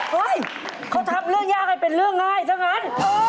เฮ้ยเขาทำเรื่องยากให้เป็นเรื่องง่ายซะงั้น